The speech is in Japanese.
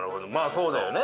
そうだよね